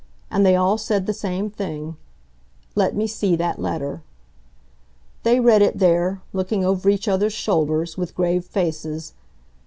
And they all said the same thing—"Let me see that letter." They read it there, looking over each other's shoulders, with grave faces.